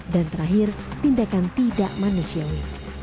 dan terakhir tindakan tidak manusiawi